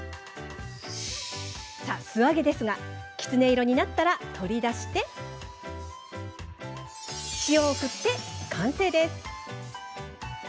さあ素揚げですがきつね色になったら取り出して塩を振って完成です。